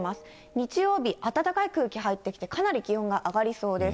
日曜日、暖かい空気入ってきて、かなり気温が上がりそうです。